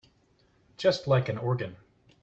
Just like an organ.